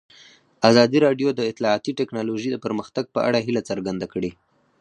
ازادي راډیو د اطلاعاتی تکنالوژي د پرمختګ په اړه هیله څرګنده کړې.